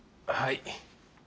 はい。